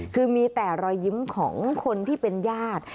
คือมีแต่รอยยิ้มของคนที่เป็นญาติ